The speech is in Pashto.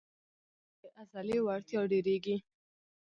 زموږ د زړه د عضلې وړتیا ډېرېږي.